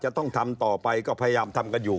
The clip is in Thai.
จะต้องทำต่อไปก็พยายามทำกันอยู่